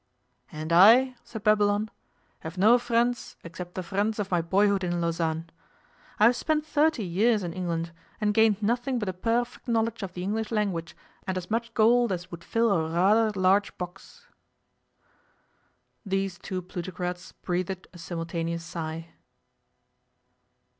'And I,' said Babylon, 'have no friends except the friends of my boyhood in Lausanne. I have spent thirty years in England, and gained nothing but a perfect knowledge of the English language and as much gold coin as would fill a rather large box.' These two plutocrats breathed a simultaneous sigh.